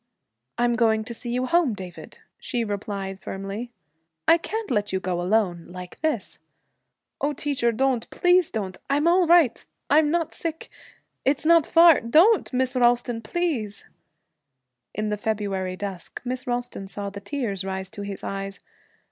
'I'm going to see you home, David,' she replied firmly. 'I can't let you go alone like this.' 'Oh, teacher, don't, please don't! I'm all right I'm not sick, it's not far Don't, Miss Ralston, please!' In the February dusk, Miss Ralston saw the tears rise to his eyes.